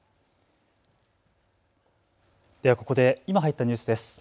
ではここで今入ったニュースです。